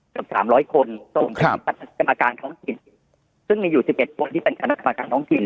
กับสามร้อยคนกรรมการท้องสินซึ่งมีอยู่สิบเอ็ดตัวที่เป็นคำวันการท้องสิน